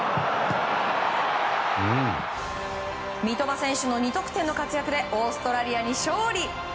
三笘選手の２得点の活躍でオーストラリアに勝利。